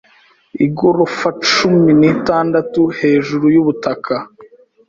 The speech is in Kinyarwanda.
Igorofa cumi n'itandatu hejuru yubutaka.